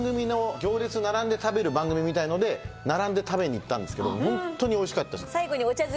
行列並んで食べる番組みたいので並んで食べに行ったんですけどホントにおいしかったです。